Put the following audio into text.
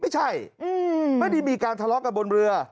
ไม่ได้มีการทะเลาะกันบนเรือ